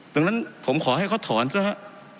ดังนั้นผมขอให้เขาถอนซะฮะ